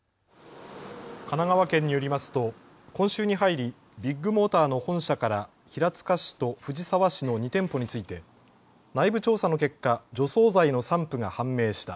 神奈川県によりますと今週に入りビッグモーターの本社から平塚市と藤沢市の２店舗について内部調査の結果、除草剤の散布が判明した。